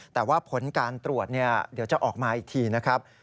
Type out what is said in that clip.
แต่ว่าผลการตรวจเดี๋ยวจะออกมาอีกทีนะครับ